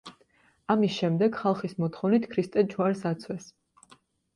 ამის შემდეგ, ხალხის მოთხოვნით, ქრისტე ჯვარს აცვეს.